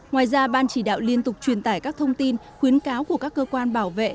ngoài ra ban chỉ đạo liên tục truyền tải các thông tin khuyến cáo của các cơ quan bảo vệ